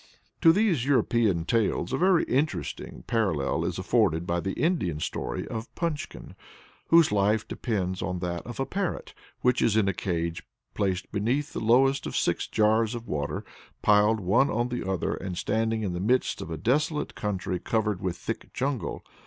To these European tales a very interesting parallel is afforded by the Indian story of "Punchkin," whose life depends on that of a parrot, which is in a cage placed beneath the lowest of six jars of water, piled one on the other, and standing in the midst of a desolate country covered with thick jungle.